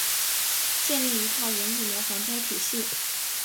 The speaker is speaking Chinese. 建立一套严谨的防灾体系